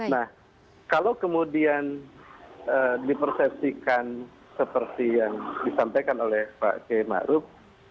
nah kalau kemudian dipersepsikan seperti yang disampaikan oleh pak k ma'ruf